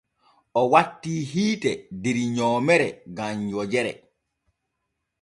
O wattii hiite der nyoomere gam wojere.